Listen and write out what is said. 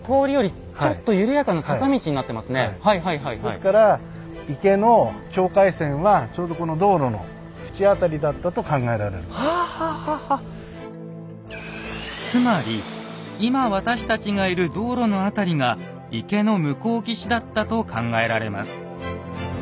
ですからつまり今私たちがいる道路の辺りが池の向こう岸だったと考えられます。